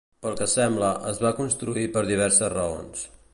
Pel que sembla, es va construir per diverses raons.